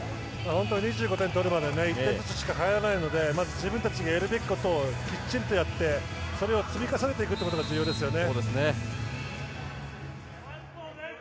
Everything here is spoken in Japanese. ２５点取るまで１点ずつしか入らないので自分たちがやるべきことをきっちりとやってそれを積み重ねていくことが重要ですね。